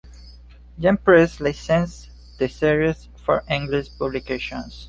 Yen Press licensed the series for English publication.